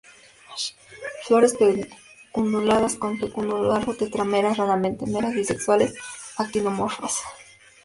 Flores pedunculadas, con pedúnculo largo, tetrámeras, raramente meras, bisexuales, actinomorfas-zigomorfas, sobre todo campanulada-tubular.